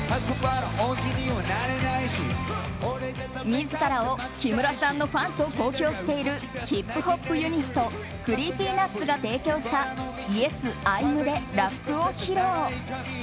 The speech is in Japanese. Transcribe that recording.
自らを木村さんのファンと公表しているヒップホップユニットＣｒｅｅｐｙＮｕｔｓが提供した「Ｙｅｓ，Ｉ’ｍ」でラップを披露。